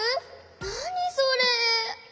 なにそれ？